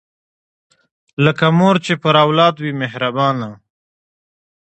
لکه مور چې پر اولاد وي مهربانه